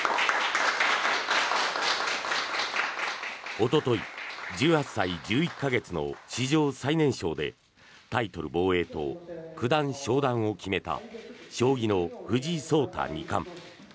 おととい１８歳１１か月の史上最年少でタイトル防衛と九段昇段を決めた将棋の藤井聡太二冠。